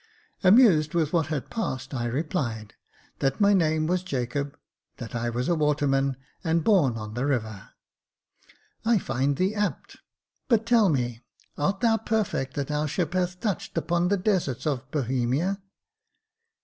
Amused with what had passed, I replied, " That my name was Jacob — that I was a waterman, and born on the river." "I find thee apt; but tell me, art thou perfect that our ship hath touched upon the deserts of Bohemia